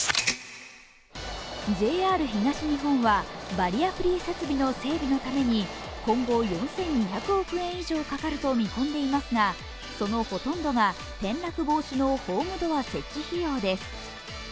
ＪＲ東日本はバリアフリー設備の整備のために今後、４２００億円以上かかると見込まれていますがそのほとんどが転落防止のホームドア設置費用です。